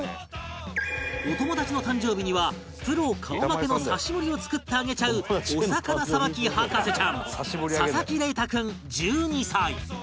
お友達の誕生日にはプロ顔負けの刺し盛りを作ってあげちゃうお魚捌き博士ちゃん佐々木伶汰君１２歳